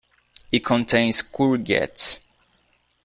It contains courgette.